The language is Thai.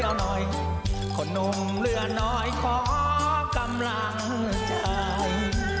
เอาหน่อยขอหนุ่มเรือหน่อยขอกำลังใจ